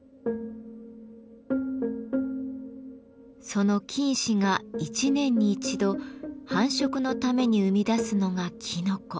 その菌糸が一年に一度繁殖のために生み出すのがきのこ。